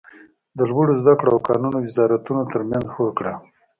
د لوړو ذده کړو او کانونو وزارتونو تر مینځ هوکړه